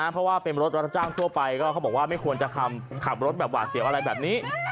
เพราะว่าเป็นรถรับจ้างทั่วไปก็เขาบอกว่าไม่ควรจะขับรถแบบหวาดเสียวอะไรแบบนี้